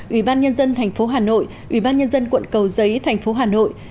ủy ban nhân dân thành phố hà nội ủy ban nhân dân quận cầu giấy thành phố hà nội